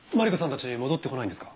たち戻ってこないんですか？